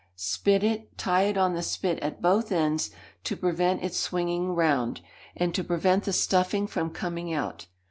Spit it, tie it on the spit at both ends, to prevent it swinging round, and to prevent the stuffing from coming out.